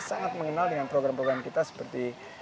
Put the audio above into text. sangat mengenal dengan program program kita seperti